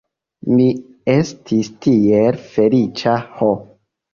Mi estis tiel feliĉa ho!